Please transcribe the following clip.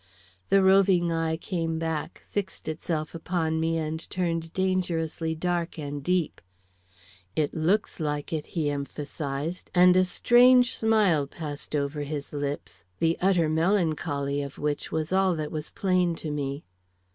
The roving eye came back, fixed itself upon me, and turned dangerously dark and deep. "It looks like it," he emphasized, and a strange smile passed over his lips, the utter melancholy of which was all that was plain to me.